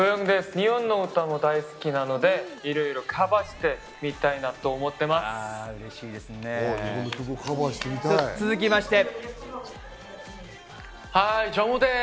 日本の歌も大好きなので、いろいろカバーしてみたいなと思っています。